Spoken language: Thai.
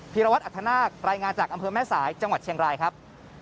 ีรวัตรอัธนาครายงานจากอำเภอแม่สายจังหวัดเชียงรายครับ